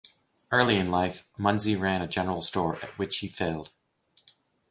Early in life, Munsey ran a general store, at which he failed.